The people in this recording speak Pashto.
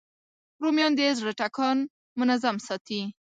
رومیان د زړه ټکان منظم ساتي